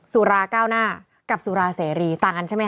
สุราเก้าหน้ากับสุราเสรีต่างกันใช่ไหมค